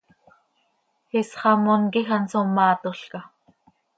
Isxamón quij hanso maatolca.